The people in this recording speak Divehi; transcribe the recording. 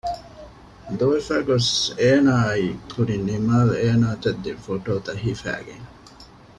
ދުވެފައި ގޮސް އޭނާ އައީ ކުރިން ނިމާލް އޭނާ އަތަށް ދިން ފޮޓޯތައް ހިފައިގެން